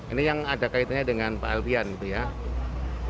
ini yang ada kaitannya dengan pak